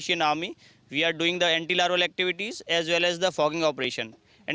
kita melakukan aktivitas antilarval dan operasi penyemprotan